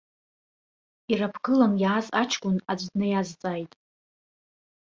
Ираԥгылан иааз аҷкәын аӡә днаиазҵааит.